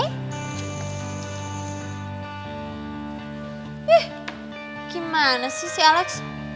eh gimana sih si alex